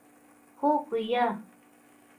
هو که یا ؟